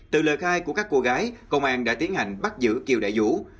từ lời khai của các cô gái công an đã tiến hành bắt giữ kiều đại vũ